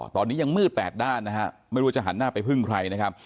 ตอนนี้ยังมืดแปดด้านนะฮะไม่รู้จะหันหน้าไปพึ่งใครนะครับ